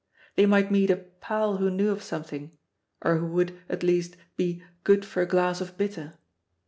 They might meet a "pal who knew of something," or who would, at least, be "good for a glass of bitter."